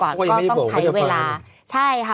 เพราะก็ยังไม่ได้บอกว่าจะฟันก็ต้องใช้เวลาใช่ค่ะ